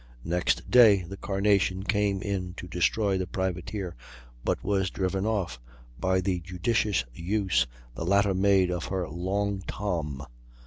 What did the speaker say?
Next day the Carnation came in to destroy the privateer, but was driven off by the judicious use the latter made of her "Long Tom."